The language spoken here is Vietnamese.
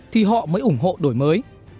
thì họ mới ủng hộ đổi mới